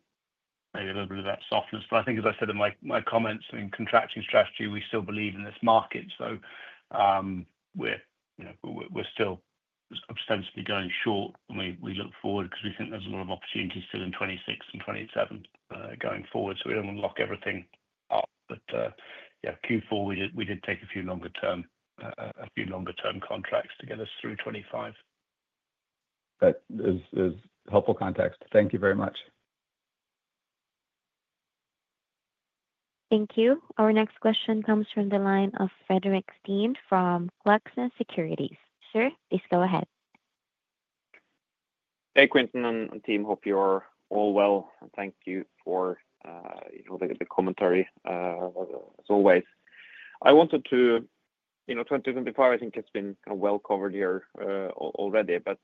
maybe a little bit of that softness. But I think, as I said in my comments, in contracting strategy, we still believe in this market. So we're still ostensibly going short when we look forward because we think there's a lot of opportunities still in 2026 and 2027 going forward. So we don't want to lock everything up. But yeah, Q4, we did take a few longer-term contracts to get us through 2025. That is helpful context. Thank you very much. Thank you. Our next question comes from the line of Fredrik Stene from Clarkson Securities. Sir, please go ahead. Hey, Quintin and team. Hope you're all well. And thank you for the commentary, as always. I wanted to, 2025, I think it's been well covered here already. But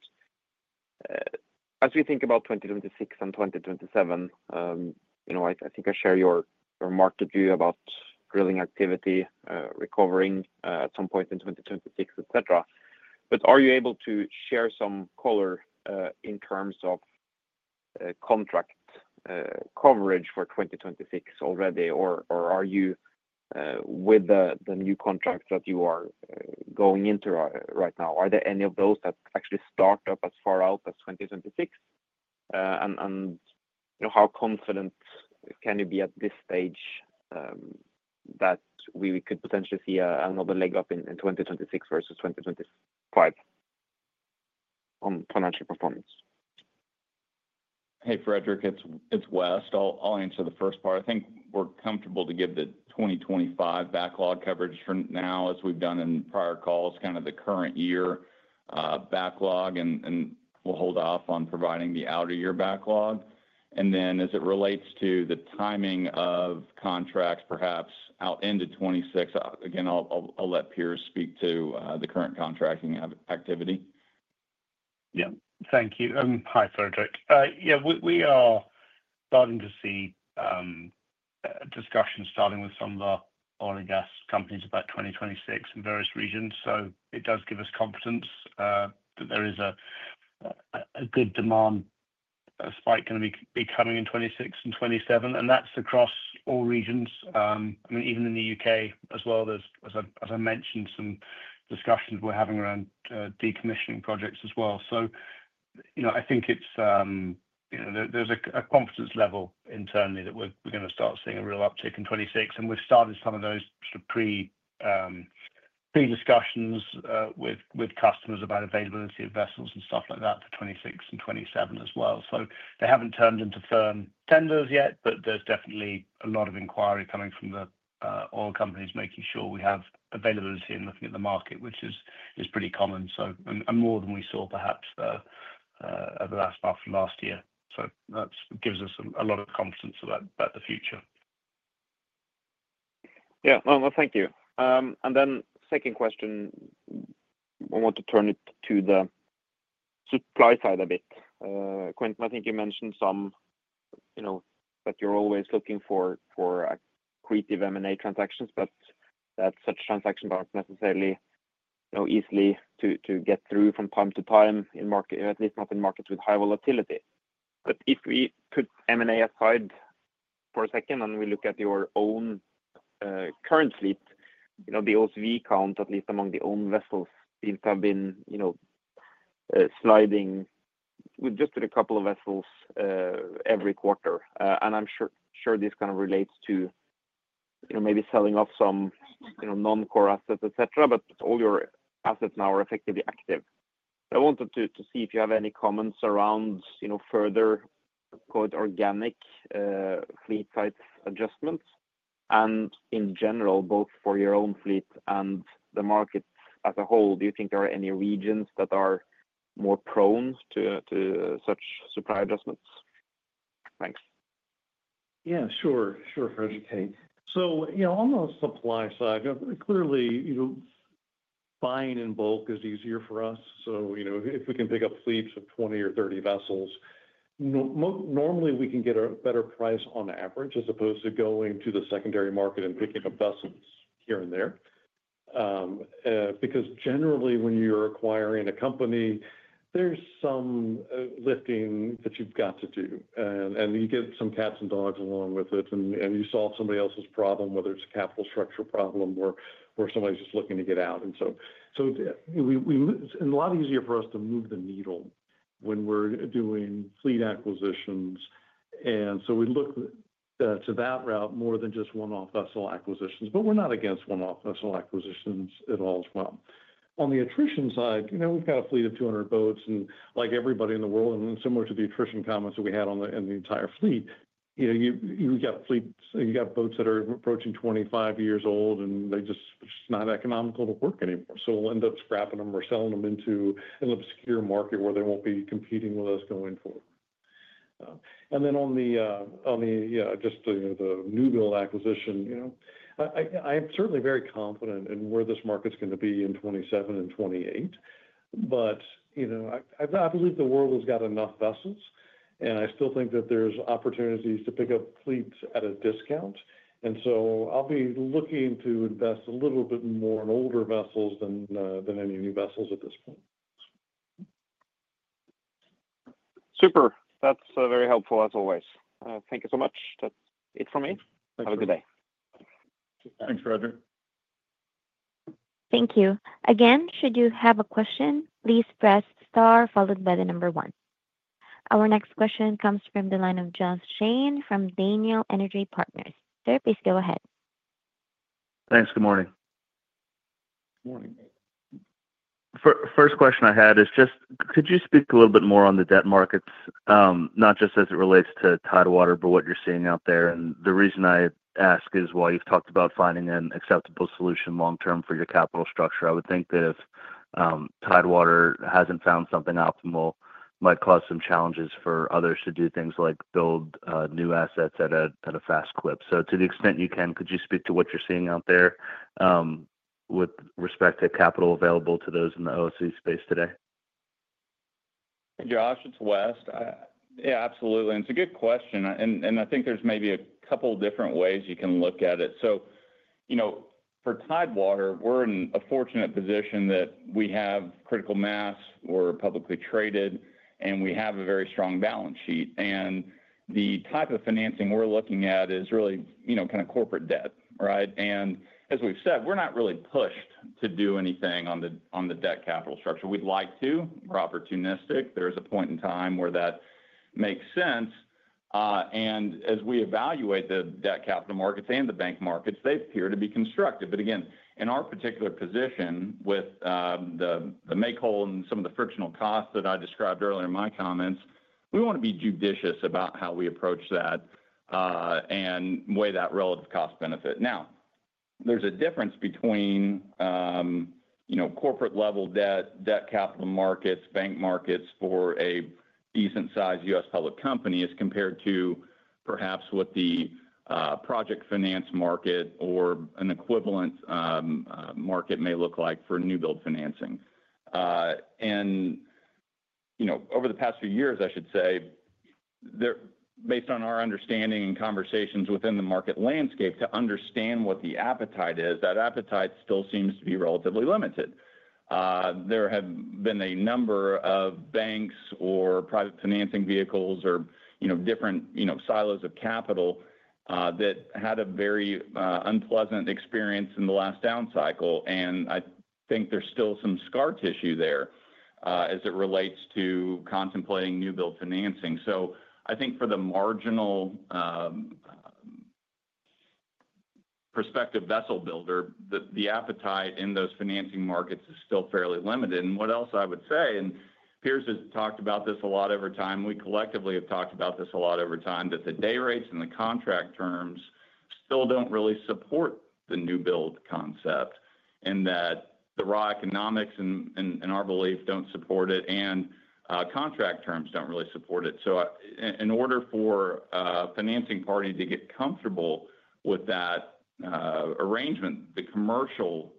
as we think about 2026 and 2027, I think I share your market view about drilling activity recovering at some point in 2026, etc. But are you able to share some color in terms of contract coverage for 2026 already, or are you with the new contracts that you are going into right now? Are there any of those that actually start up as far out as 2026? And how confident can you be at this stage that we could potentially see another leg up in 2026 versus 2025 on financial performance? Hey, Fredrik. It's West. I'll answer the first part. I think we're comfortable to give the 2025 backlog coverage for now, as we've done in prior calls, kind of the current year backlog, and we'll hold off on providing the outer year backlog. And then as it relates to the timing of contracts, perhaps out into 2026, again, I'll let Piers speak to the current contracting activity. Yeah. Thank you. Hi, Fredrik. Yeah. We are starting to see discussions starting with some of the oil and gas companies about 2026 in various regions. So it does give us confidence that there is a good demand spike going to be coming in 2026 and 2027. And that's across all regions. I mean, even in the U.K. as well, as I mentioned, some discussions we're having around decommissioning projects as well. So I think there's a confidence level internally that we're going to start seeing a real uptick in 2026. And we've started some of those sort of pre-discussions with customers about availability of vessels and stuff like that for 2026 and 2027 as well. So they haven't turned into firm tenders yet, but there's definitely a lot of inquiry coming from the oil companies making sure we have availability and looking at the market, which is pretty common. So more than we saw, perhaps, over the last half of last year. So that gives us a lot of confidence about the future. Yeah. Well, thank you. And then second question, I want to turn it to the supply side a bit. Quintin, I think you mentioned some that you're always looking for creative M&A transactions, but that such transactions aren't necessarily easily to get through from time to time in market, at least not in markets with high volatility. But if we put M&A aside for a second and we look at your own current fleet, the OCV count, at least among the own vessels, seems to have been sliding with just a couple of vessels every quarter. And I'm sure this kind of relates to maybe selling off some non-core assets, etc., but all your assets now are effectively active. I wanted to see if you have any comments around further organic fleet size adjustments. And in general, both for your own fleet and the market as a whole, do you think there are any regions that are more prone to such supply adjustments? Thanks. Yeah. Sure. Sure, Fredrik. So on the supply side, clearly, buying in bulk is easier for us. So if we can pick up fleets of 20 or 30 vessels, normally we can get a better price on average as opposed to going to the secondary market and picking up vessels here and there. Because generally, when you're acquiring a company, there's some lifting that you've got to do. And you get some cats and dogs along with it. And you solve somebody else's problem, whether it's a capital structure problem or somebody's just looking to get out. And so it's a lot easier for us to move the needle when we're doing fleet acquisitions. And so we look to that route more than just one-off vessel acquisitions. But we're not against one-off vessel acquisitions at all as well. On the attrition side, we've got a fleet of 200 boats. Like everybody in the world, and similar to the attrition comments that we had on the entire fleet, you've got fleets you've got boats that are approaching 25 years old, and they're just not economical to work anymore. So we'll end up scrapping them or selling them into an obscure market where they won't be competing with us going forward. And then on just the new-build acquisition, I'm certainly very confident in where this market's going to be in 2027 and 2028. But I believe the world has got enough vessels, and I still think that there's opportunities to pick up fleets at a discount. And so I'll be looking to invest a little bit more in older vessels than any new vessels at this point. Super. That's very helpful, as always. Thank you so much. That's it for me. Have a good day. Thanks, Fredrik. Thank you. Again, should you have a question, please press star followed by the number one. Our next question comes from the line of Josh Jayne from Daniel Energy Partners. Sir, please go ahead. Thanks. Good morning. Morning. First question I had is just, could you speak a little bit more on the debt markets, not just as it relates to Tidewater, but what you're seeing out there? And the reason I ask is why you've talked about finding an acceptable solution long-term for your capital structure. I would think that if Tidewater hasn't found something optimal, it might cause some challenges for others to do things like build new assets at a fast clip. So to the extent you can, could you speak to what you're seeing out there with respect to capital available to those in the OC space today? Josh, it's West. Yeah, absolutely. And it's a good question. I think there's maybe a couple of different ways you can look at it. So for Tidewater, we're in a fortunate position that we have critical mass, we're publicly traded, and we have a very strong balance sheet. The type of financing we're looking at is really kind of corporate debt, right? As we've said, we're not really pushed to do anything on the debt capital structure. We'd like to. We're opportunistic. There is a point in time where that makes sense. As we evaluate the debt capital markets and the bank markets, they appear to be constructive. But again, in our particular position with the make-whole and some of the frictional costs that I described earlier in my comments, we want to be judicious about how we approach that and weigh that relative cost-benefit. Now, there's a difference between corporate-level debt, debt capital markets, bank markets for a decent-sized U.S. public company as compared to perhaps what the project finance market or an equivalent market may look like for new-build financing. And over the past few years, I should say, based on our understanding and conversations within the market landscape to understand what the appetite is, that appetite still seems to be relatively limited. There have been a number of banks or private financing vehicles or different silos of capital that had a very unpleasant experience in the last down cycle. And I think there's still some scar tissue there as it relates to contemplating new-build financing. So I think for the marginal prospective vessel builder, the appetite in those financing markets is still fairly limited. What else I would say, and Piers has talked about this a lot over time, we collectively have talked about this a lot over time, that the day rates and the contract terms still don't really support the new-build concept in that the raw economics and our belief don't support it, and contract terms don't really support it. So in order for a financing party to get comfortable with that arrangement, the commercial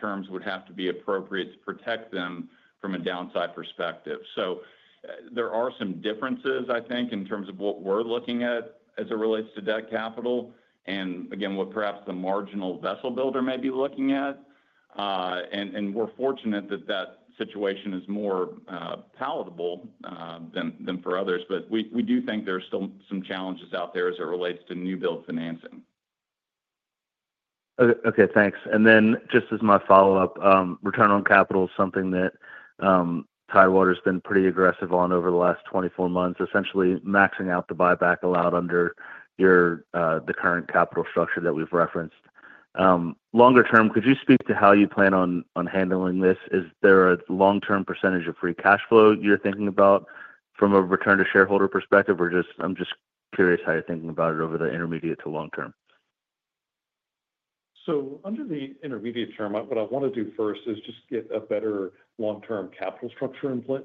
terms would have to be appropriate to protect them from a downside perspective. So there are some differences, I think, in terms of what we're looking at as it relates to debt capital and, again, what perhaps the marginal vessel builder may be looking at. We're fortunate that that situation is more palatable than for others. But we do think there are still some challenges out there as it relates to new-build financing. Okay. Thanks. And then just as my follow-up, return on capital is something that Tidewater has been pretty aggressive on over the last 24 months, essentially maxing out the buyback allowed under the current capital structure that we've referenced. Longer term, could you speak to how you plan on handling this? Is there a long-term percentage of free cash flow you're thinking about from a return-to-shareholder perspective, or I'm just curious how you're thinking about it over the intermediate to long term? So under the intermediate term, what I want to do first is just get a better long-term capital structure in place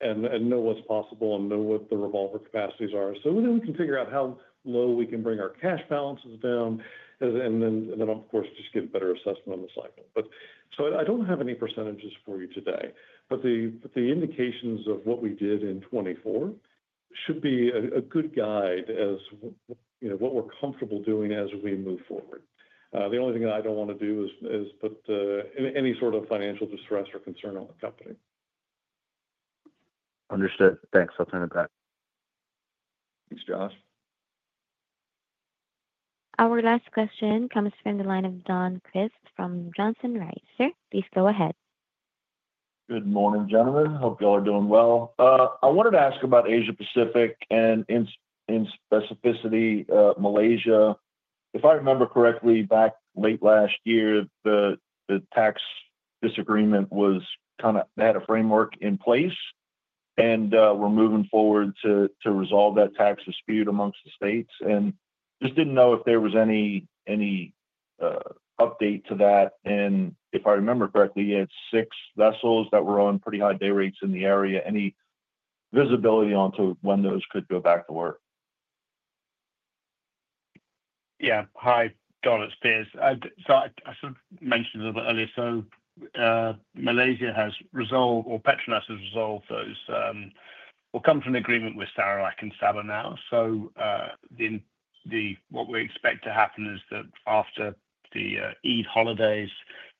and know what's possible and know what the revolver capacities are. So then we can figure out how low we can bring our cash balances down and then, of course, just get a better assessment of the cycle. So I don't have any percentages for you today. But the indications of what we did in 2024 should be a good guide as to what we're comfortable doing as we move forward. The only thing that I don't want to do is put any sort of financial distress or concern on the company. Understood. Thanks. I'll turn it back. Thanks, Josh. Our last question comes from the line of Don Crist from Johnson Rice. Sir, please go ahead. Good morning, gentlemen. Hope y'all are doing well. I wanted to ask about Asia-Pacific and, in specificity, Malaysia. If I remember correctly, back late last year, the tax disagreement was kind of they had a framework in place, and we're moving forward to resolve that tax dispute amongst the states. And just didn't know if there was any update to that. And if I remember correctly, you had six vessels that were on pretty high day rates in the area. Any visibility onto when those could go back to work? Yeah. Hi, Don. It's Piers. I sort of mentioned a little bit earlier. Malaysia has resolved or Petronas has resolved those or come to an agreement with Sarawak and Sabah now. What we expect to happen is that after the Eid holidays,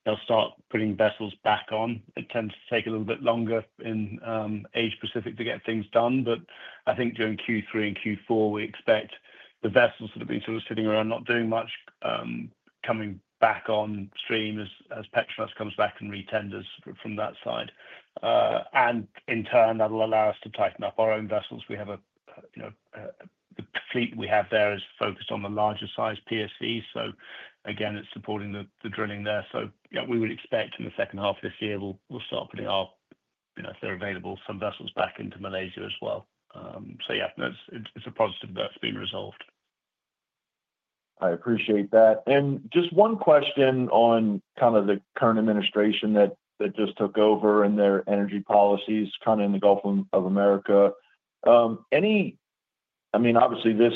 they'll start putting vessels back on. It tends to take a little bit longer in Asia-Pacific to get things done. I think during Q3 and Q4, we expect the vessels that have been sort of sitting around not doing much coming back on stream as Petronas comes back and re-tenders from that side. In turn, that'll allow us to tighten up our own vessels. We have the fleet we have there is focused on the larger-sized PSVs. Again, it's supporting the drilling there. Yeah, we would expect in the second half of this year, we'll start putting our, if they're available, some vessels back into Malaysia as well. Yeah, it's a positive that's been resolved. I appreciate that. Just one question on kind of the current administration that just took over and their energy policies kind of in the Gulf of America. I mean, obviously, this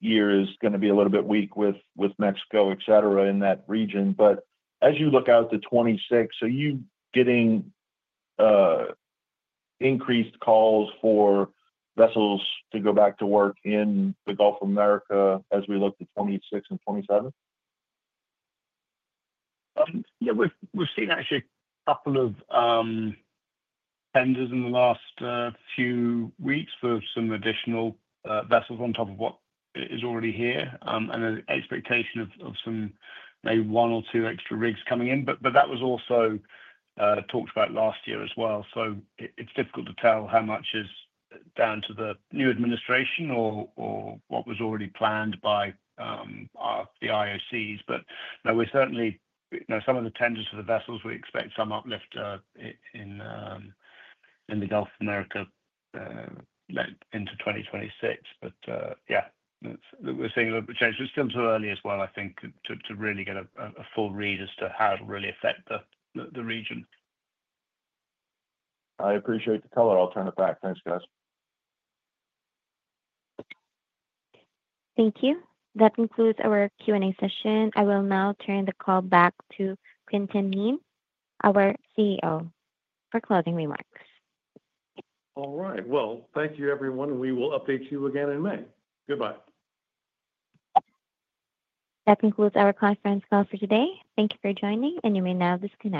year is going to be a little bit weak with Mexico, etc., in that region. But as you look out to 2026, are you getting increased calls for vessels to go back to work in the Gulf of America as we look to 2026 and 2027? Yeah. We've seen actually a couple of tenders in the last few weeks for some additional vessels on top of what is already here and an expectation of some maybe one or two extra rigs coming in. But that was also talked about last year as well. So it's difficult to tell how much is down to the new administration or what was already planned by the IOCs. But we're seeing some of the tenders for the vessels; we expect some uplift in the Gulf of America into 2026. But yeah, we're seeing a little bit of change. But still too early as well, I think, to really get a full read as to how it'll really affect the region. I appreciate the color. I'll turn it back. Thanks, guys. Thank you. That concludes our Q&A session. I will now turn the call back to Quintin Kneen, our CEO, for closing remarks. All right. Well, thank you, everyone. We will update you again in May. Goodbye. That concludes our conference call for today. Thank you for joining, and you may now disconnect.